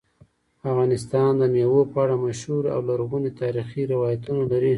افغانستان د مېوو په اړه مشهور او لرغوني تاریخی روایتونه لري.